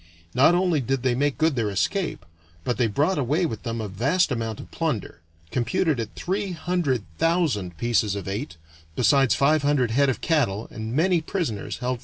Not only did they make good their escape, but they brought away with them a vast amount of plunder, computed at three hundred thousand pieces of eight, besides five hundred head of cattle and many prisoners held for ransom.